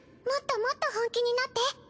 もっともっと本気になって。